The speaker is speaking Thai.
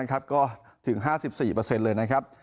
ก็ถึง๕๔เลยนะครับ